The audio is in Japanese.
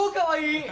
はい。